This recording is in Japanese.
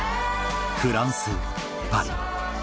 フランスパリ